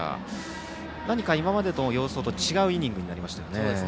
何か、今までの様相と違うイニングになりましたね。